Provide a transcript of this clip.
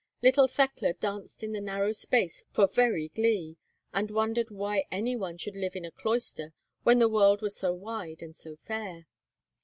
Little Thekla danced in the narrow space for very glee, and wondered why any one should live in a cloister when the world was so wide and so fair.